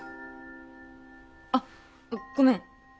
あっごめん。